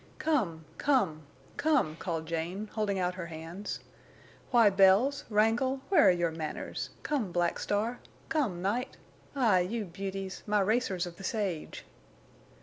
"Come—come—come," called Jane, holding out her hands. "Why, Bells—Wrangle, where are your manners? Come, Black Star—come, Night. Ah, you beauties! My racers of the sage!"